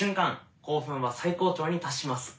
興奮は最高潮に達します。